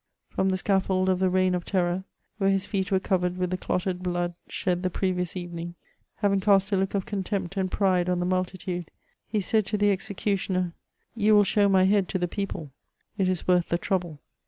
From the scaffold of the reign of terror, where his feet were covered with the clotted blood died the ^vious evening, having cast a look of oontempt and pride on the multitude, he said to the executioner ;'' Yoa will show my head to the people ; it is worth ihe trouble."